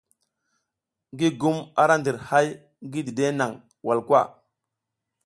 Gigum ara ndir hay ngi dide nang walkwa.